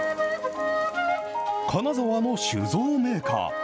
金沢の酒造メーカー。